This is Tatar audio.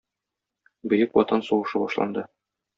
Бөек Ватан сугышы башланды.